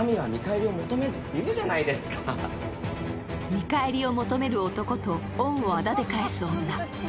見返りを求める男と恩をあだで返す女。